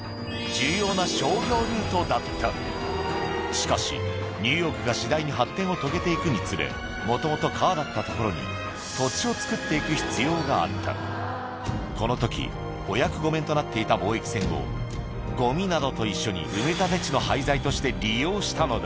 しかしニューヨークが次第に発展を遂げていくにつれもともと川だった所に土地を造っていく必要があったこの時お役御免となっていた貿易船をゴミなどと一緒に忌まわし